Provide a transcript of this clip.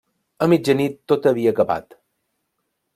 A mitjanit tot havia acabat.